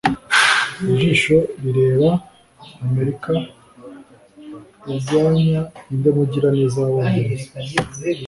Ijisho Rireba Amerika Irwanya Ninde Mugiraneza w'Abongereza?